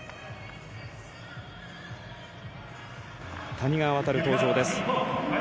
谷川航、登場です。